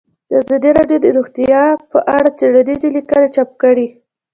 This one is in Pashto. ازادي راډیو د روغتیا په اړه څېړنیزې لیکنې چاپ کړي.